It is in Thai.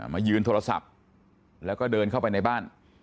มายืนโทรศัพท์แล้วก็เดินเข้าไปในบ้าน